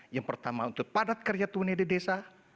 yang pertama untuk padat karya tunai di desa